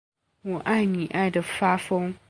我爱你爱的发疯